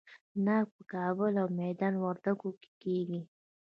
ناک په کابل او میدان وردګو کې کیږي.